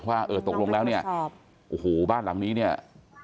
ว่าเออตกลงแล้วเนี่ยโอ้โหบ้านหลังนี้เนี่ย